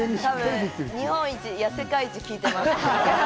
日本一いや世界一聴いてます。